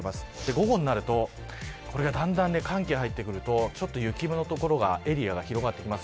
午後になると寒気が入ってくると雪雲のエリアが広がってきます。